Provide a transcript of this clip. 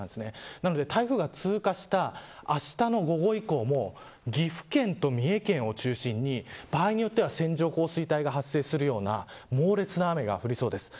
なので、台風が通過したあしたの午後以降も岐阜県と三重県を中心に場合によっては線状降水帯が発生するような猛烈な雨が降りそうです。